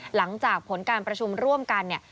หลังจากผลการประชุมร่วมกันเนี่ย